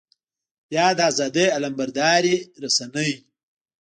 بيا د ازادۍ علمبردارې رسنۍ.